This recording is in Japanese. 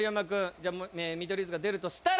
じゃあ見取り図が出るとしたら？